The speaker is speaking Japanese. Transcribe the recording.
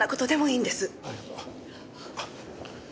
ありがとう。あっ。